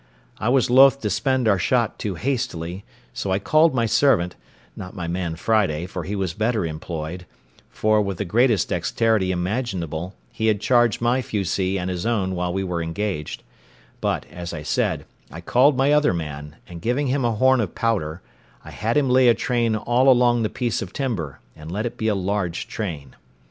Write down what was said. I was loth to spend our shot too hastily; so I called my servant, not my man Friday, for he was better employed, for, with the greatest dexterity imaginable, he had charged my fusee and his own while we were engaged—but, as I said, I called my other man, and giving him a horn of powder, I had him lay a train all along the piece of timber, and let it be a large train.